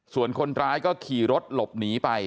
ส่วนคนร้ายก็ขี่รถหลบหนีไป